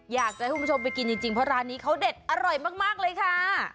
อยากจะให้คุณผู้ชมไปกินจริงเพราะร้านนี้เขาเด็ดอร่อยมากเลยค่ะ